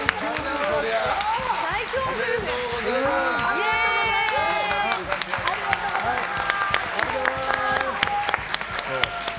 おめでとうございます。